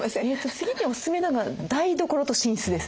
次におすすめなのが台所と寝室です。